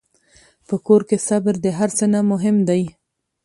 په کور کې صبر د هر څه نه مهم دی.